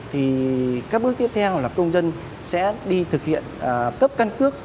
thì các bước tiếp theo là công dân sẽ đi thực hiện cấp căn cước